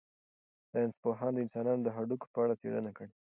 ساینس پوهانو د انسانانو د هډوکو په اړه څېړنه کړې.